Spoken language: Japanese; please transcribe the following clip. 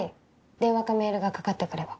電話かメールがかかってくれば。